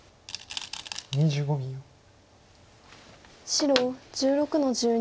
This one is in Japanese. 白１６の十二。